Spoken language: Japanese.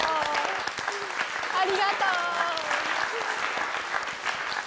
ありがとう！